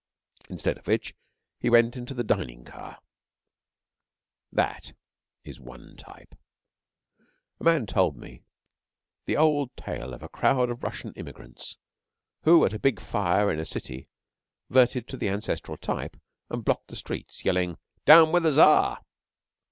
Instead of which he went into the dining car. That is one type. A man told me the old tale of a crowd of Russian immigrants who at a big fire in a city 'verted to the ancestral type, and blocked the streets yelling, 'Down with the Czar!'